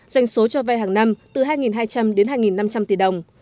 doanh số cho vay hàng năm từ hai hai trăm linh đến hai năm trăm linh tỷ đồng